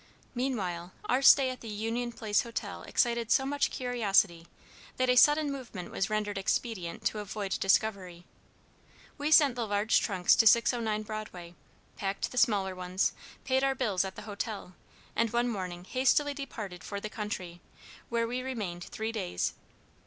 Meanwhile our stay at the Union Place Hotel excited so much curiosity, that a sudden movement was rendered expedient to avoid discovery. We sent the large trunks to 609 Broadway, packed the smaller ones, paid our bills at the hotel, and one morning hastily departed for the country, where we remained three days.